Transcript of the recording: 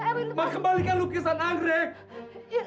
ma kembalikan lukisan anggrek